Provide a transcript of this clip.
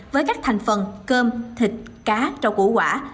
với các thành phần cơm thịt cá rau củ quả